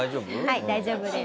はい大丈夫です。